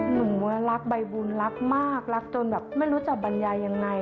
หนูรักใบบุญรักมากรักจนแบบไม่รู้จะบรรยายยังไง